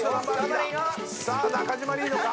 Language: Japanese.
さあ中島リードか？